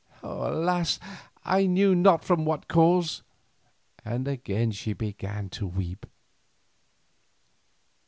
Alas! I knew not from what cause," and again she began to weep.